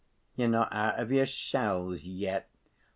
You're not out of your shells yet.